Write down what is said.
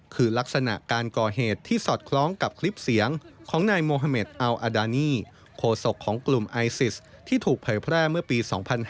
คือลักษณะการก่อเหตุที่สอดคล้องกับคลิปเสียงของนายโมฮาเมดอัลอาดานี่โคศกของกลุ่มไอซิสที่ถูกเผยแพร่เมื่อปี๒๕๕๙